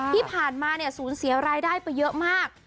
ที่ผ่านมาเนี่ยสูญเสียรายได้ไปเยอะมาก